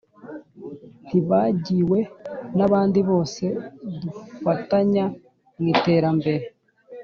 ntibagiwe n'abandi bose dufatanya mu iterambere